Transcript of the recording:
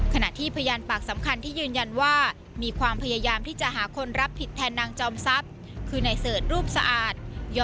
ขณะที่พยานปากสำคัญที่ยืนยันว่ามีความพยายามที่จะหาคนรับผิดแทนนางจอมทรัพย์